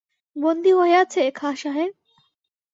বন্দী হইয়াছে খাঁ সাহেব?